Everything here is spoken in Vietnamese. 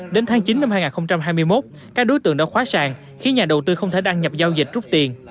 đến tháng chín năm hai nghìn hai mươi một các đối tượng đã khóa sàng khiến nhà đầu tư không thể đăng nhập giao dịch rút tiền